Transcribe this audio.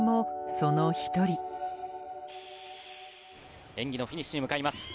その１人演技のフィニッシュに向かいます。